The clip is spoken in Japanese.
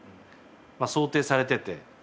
想定されてて。